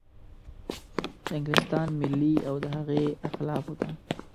د انګلستان ملکې او د هغې اخلافو ته.